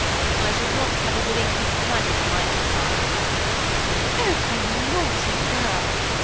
<^ I should not have a willing companion in my exile." " Oh, you naughty girl